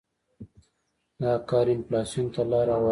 دا کار انفلاسیون ته لار هواروي.